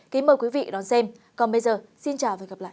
kính mời quý vị đón xem còn bây giờ xin chào và hẹn gặp lại